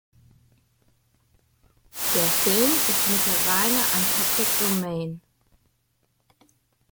Der Film ist mittlerweile ein Public Domain.